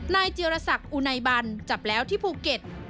เจียรศักดิ์อุไนบันจับแล้วที่ภูเก็ต